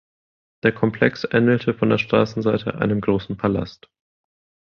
Der Komplex ähnelte von der Straßenseite einem großen Palast.